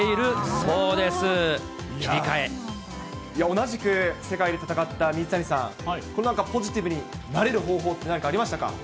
同じく世界で戦った水谷さん、これ、なんかポジティブになれる方法って何かありましたか？